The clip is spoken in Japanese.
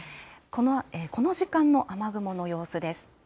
この時間の雨雲の様子です。